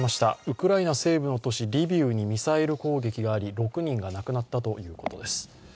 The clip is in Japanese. ウクライナ西部の都市リビウにミサイル攻撃があり６人が亡くなったということです。